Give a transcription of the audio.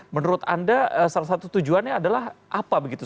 menurut anda salah satu tujuannya adalah apa begitu